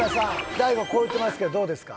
大悟こう言ってますけどどうですか？